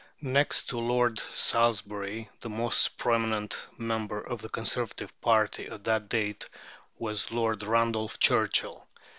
Next to Lord Salisbury the most prominent member of the Conservative party at that date was Lord Randolph Churchill.